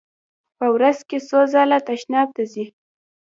په ورځ کې څو ځله تشناب ته ځئ؟